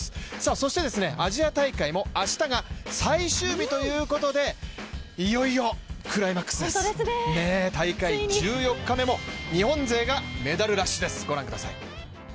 そしてアジア大会も明日が最終日ということでいよいよクライマックスです、大会１４日目も日本勢がメダルラッシュです、ご覧ください。